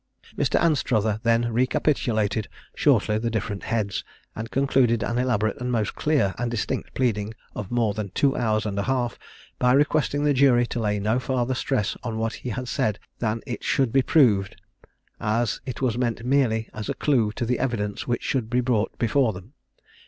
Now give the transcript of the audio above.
Mr. Anstruther then recapitulated shortly the different heads, and concluded an elaborate and most clear and distinct pleading of more than two hours and a half, by requesting the jury to lay no farther stress on what he had said than it should be proved, as it was meant merely as a clue to the evidence which should be brought before them.